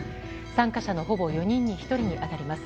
参加者のほぼ４人に１人に当たります。